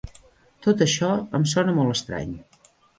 Tot això em sona molt estrany.